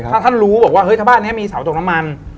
ถ้าท่านรู้บอกว่าเฮ้ยถ้าบ้านนี้มีเสาตกน้ำมัน